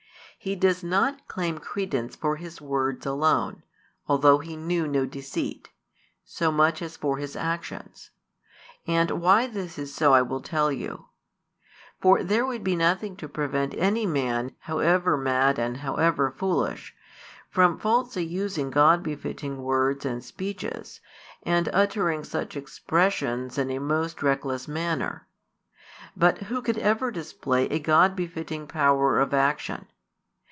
He does not claim credence for His words alone, although He knew no deceit, so much as for His actions. And why this is so I will tell you. There would be nothing to prevent any man, however mad and however foolish, from falsely using God befitting words and speeches, and uttering such expressions in a most reckless manner: but who could ever display a God befitting power of action?